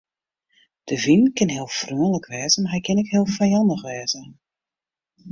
De wyn kin heel freonlik wêze mar hy kin ek heel fijannich wêze.